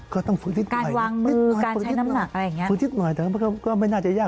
ก็ต้องฝึกนิดหน่อยฝึกนิดหน่อยแต่มันก็ไม่น่าจะยาก